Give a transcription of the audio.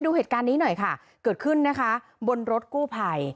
ดูเหตุการณ์นี้หน่อยค่ะเกิดขึ้นนะคะบนรถกู้ภัย